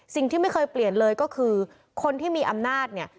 สิ่งที่ไม่เคยเปลี่ยนเลยก็คือคนที่มีอำนาจเนี่ย